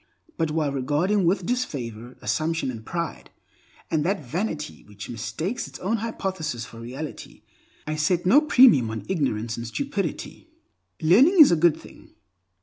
But while regarding with disfavor assumption and pride, and that vanity which mistakes its own hypothesis for reality, I set no premium on ignorance and stupidity. Learning is a good thing.